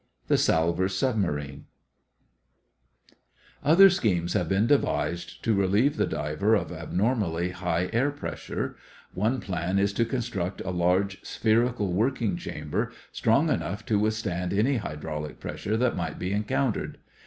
THE SALVOR'S SUBMARINE Other schemes have been devised to relieve the diver of abnormally high air pressure. One plan is to construct a large spherical working chamber strong enough to withstand any hydraulic pressure that might be encountered.